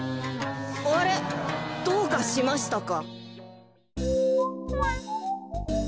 あれどうかしましたか？